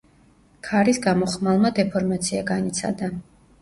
ქარის გამო ხმალმა დეფორმაცია განიცადა.